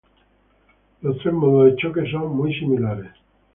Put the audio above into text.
Los tres modos de choque son muy similares.